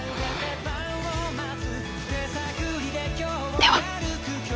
では。